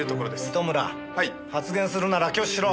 糸村発言するなら挙手しろ。